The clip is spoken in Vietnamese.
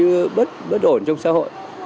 gây bất ổn trong xã hội